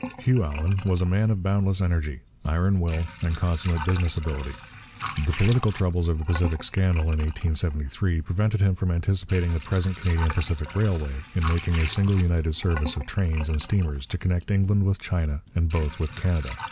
Hugh Allan was a man of boundless energy, iron will, and consummate business ability. The political troubles of the Pacific Scandal in 1873 prevented him from anticipating the present Canadian Pacific Railway in making a single united service of trains and steamers to connect England with China and both with Canada.